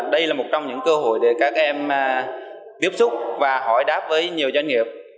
đây là một trong những cơ hội để các em tiếp xúc và hỏi đáp với nhiều doanh nghiệp